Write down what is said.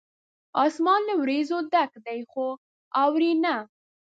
اسمان له وریځو ډک دی ، خو اوري نه